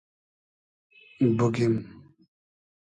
بوگیم